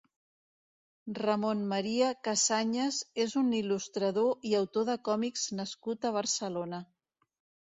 Ramon Maria Casanyes és un il·lustrador i autor de còmics nascut a Barcelona.